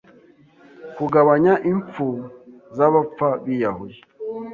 kugabanya impfu z’abapfa biyahuye.